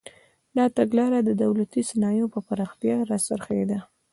دا تګلاره د دولتي صنایعو پر پراختیا راڅرخېده.